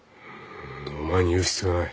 お前に言う必要ない。